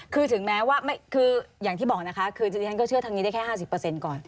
คือถึงแม้ว่าอย่างที่บอกนะคะดิฉันก็เชื่อทางนี้ได้แค่๕๐เปอร์เซ็นต์ก่อน